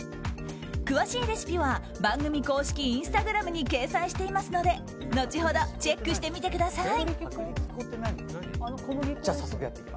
詳しいレシピは番組公式インスタグラムに掲載していますので後ほどチェックしてみてください。